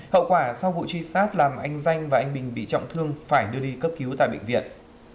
hậu quả sau vụ truy sát làm anh danh và anh bình bị trọng thương phải đưa đi cấp cứu tại bệnh viện